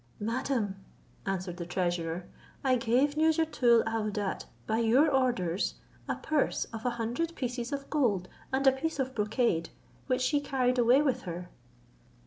"Madam," answered the treasurer, "I gave Nouzhatoul aouadat, by your orders, a purse of a hundred pieces of gold and a piece of brocade, which she carried away with her."